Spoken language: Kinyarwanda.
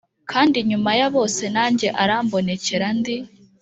Kandi nyuma ya bose nanjye arambonekera ndi